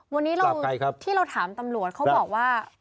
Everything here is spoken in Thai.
วันนี้ที่เราถามตำรวจเขาบอกว่า